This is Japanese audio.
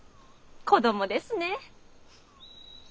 子供ですねッ！